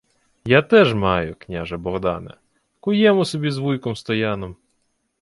— Я теж маю, княже Богдане. Куємо собі з вуйком Стояном.